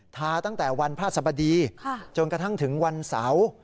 ตั้งแต่วันพระสบดีจนกระทั่งถึงวันเสาร์